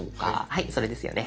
はいそれですよね。